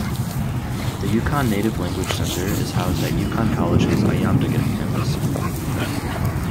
The Yukon Native Language Centre is housed at Yukon College's Ayamdigut Campus.